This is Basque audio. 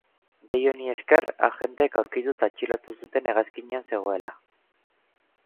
Deia honi esker, agenteek aurkitu eta atxilotu zuten hegazkinean zegoela.